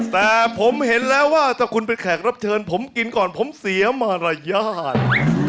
แต่ผมเห็นแล้วว่าถ้าคุณเป็นแขกรับเชิญผมกินก่อนผมเสียมารยาท